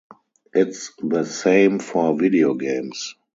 It's the same for videogames.